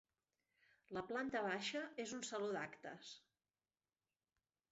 La planta baixa és un Saló d'Actes.